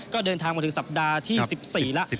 ก็เดินทางมาถึงสัปดาห์ที่๑๔แล้ว